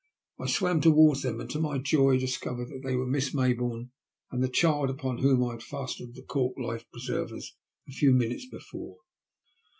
I swam towards them, and to my joy discovered that they were Miss Mayboume and the child upon whom I had fastened the cork life preservers a few minutes before.